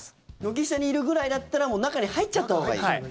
軒下にいるぐらいだったら中に入っちゃったほうがいい。